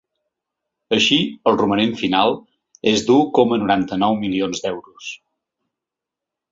Així, el romanent final és de u coma noranta-nou milions d’euros.